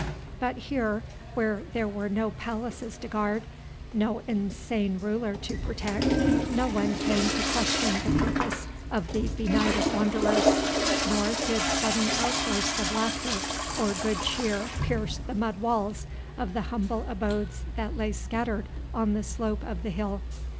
But here where there were no palaces to guard, no insane ruler to protect, no one came to question the purpose of the benighted wanderers, nor did sudden outbursts of laughter or good cheer pierce the mud walls of the humble abodes that lay scattered on the slope of the hill.